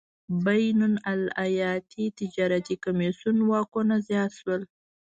بین الایالتي تجارتي کمېسیون واکونه زیات شول.